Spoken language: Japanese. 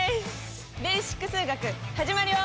「ベーシック数学」始まるよ！